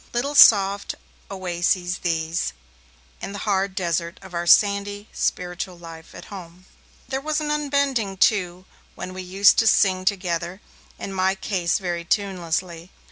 Little soft oases these, in the hard desert of our sandy spiritual life at home. There was an unbending, too, when we used to sing together, in my case very tunelessly.